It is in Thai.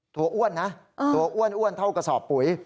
อ้วนนะตัวอ้วนเท่ากระสอบปุ๋ย